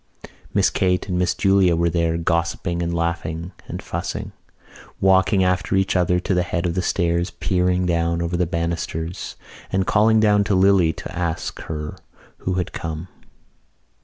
Miss Kate and Miss Julia were there, gossiping and laughing and fussing, walking after each other to the head of the stairs, peering down over the banisters and calling down to Lily to ask her who had come.